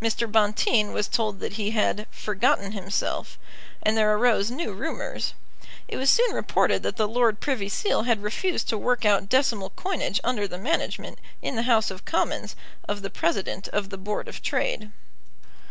Mr. Bonteen was told that he had forgotten himself; and there arose new rumours. It was soon reported that the Lord Privy Seal had refused to work out decimal coinage under the management, in the House of Commons, of the President of the Board of Trade.